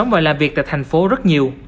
và làm việc tại thành phố rất nhiều